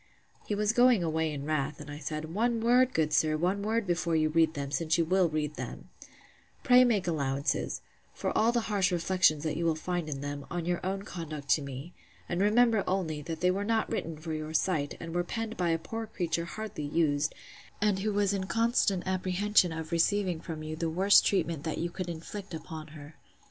He was going away in wrath; and I said, One word, good sir, one word before you read them, since you will read them: Pray make allowances—for all the harsh reflections that you will find in them, on your own conduct to me: And remember only, that they were not written for your sight; and were penned by a poor creature hardly used, and who was in constant apprehension of receiving from you the worst treatment that you could inflict upon her.